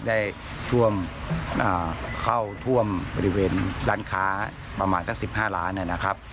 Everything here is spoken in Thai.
ได้ท่วมเอ่อเข้าท่วมบริเวณร้านค้าประมาณสักสิบห้าร้านเนี่ยนะครับ